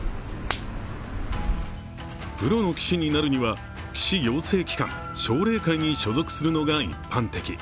プロの棋士になるには棋士養成機関、奨励会に所属するのが一般的。